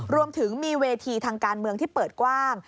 รวมถึงมีเวทีทางการเมืองที่เปิดกว้าง